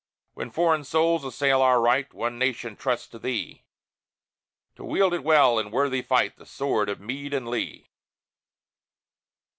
When foreign foes assail our right, One nation trusts to thee To wield it well in worthy fight The sword of Meade and Lee!